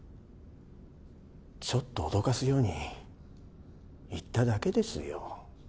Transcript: ちょっと脅かすように言っただけですよ